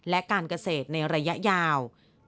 และการเกษตรในระยะยาว